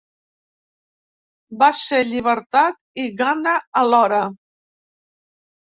Va ser llibertat i gana alhora.